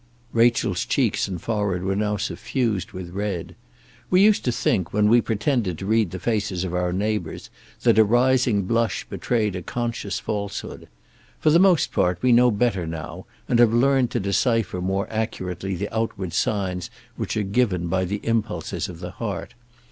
Rachel's cheeks and forehead were now suffused with red. We used to think, when we pretended to read the faces of our neighbours, that a rising blush betrayed a conscious falsehood. For the most part we know better now, and have learned to decipher more accurately the outward signs which are given by the impulses of the heart.